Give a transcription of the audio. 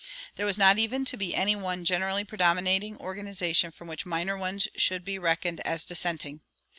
There was not even to be any one generally predominating organization from which minor ones should be reckoned as dissenting.